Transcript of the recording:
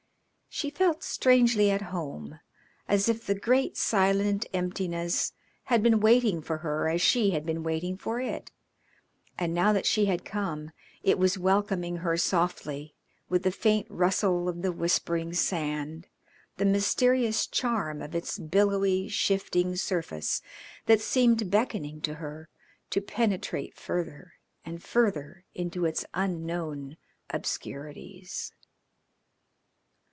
She felt strangely at home, as if the great, silent emptiness had been waiting for her as she had been waiting for it, and now that she had come it was welcoming her softly with the faint rustle of the whispering sand, the mysterious charm of its billowy, shifting surface that seemed beckoning to her to penetrate further and further into its unknown obscurities.